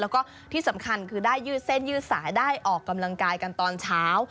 แล้วก็ที่สำคัญคือได้ยืดเส้นยืดสายได้ออกกำลังกายกันตอนเช้า